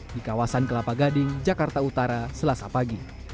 di kawasan kelapa gading jakarta utara selasa pagi